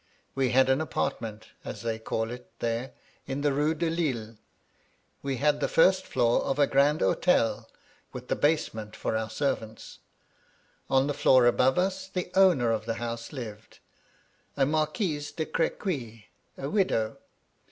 We had an apartment, as they call it there, in the Rue de Lille ; we had the first floor of a grand hotel, with the basement for our servants. On the floor above us the owner of the house lived, a Marquise de Crequy, a widow.